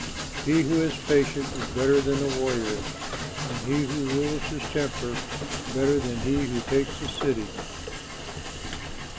He who is patient is better than a warrior, And he who rules his temper than he who takes a city.